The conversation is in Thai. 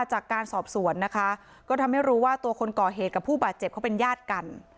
จากการสอบสวนนะคะก็ทำให้รู้ว่าตัวคนก่อเหตุกับผู้บาดเจ็บเขาเป็นญาติกัน